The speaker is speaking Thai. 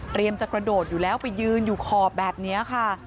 จะกระโดดอยู่แล้วไปยืนอยู่ขอบแบบนี้ค่ะ